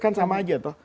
itu sama saja